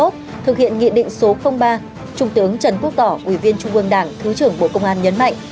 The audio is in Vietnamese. thực hiện nghị định số ba trung tướng trần quốc tỏ ủy viên trung ương đảng thứ trưởng bộ công an nhấn mạnh